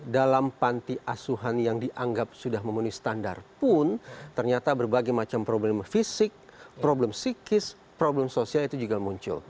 dalam panti asuhan yang dianggap sudah memenuhi standar pun ternyata berbagai macam problem fisik problem psikis problem sosial itu juga muncul